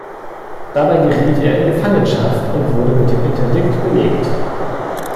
Dabei geriet er in Gefangenschaft und wurde mit dem Interdikt belegt.